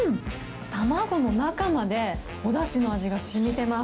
卵の中までおだしの味がしみてます。